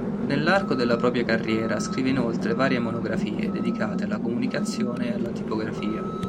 Nell'arco della propria carriera scrive inoltre varie monografie dedicate alla comunicazione e alla tipografia.